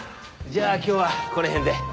じゃあ今日はこの辺で。